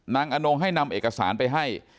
อนงให้นำเอกสารไปให้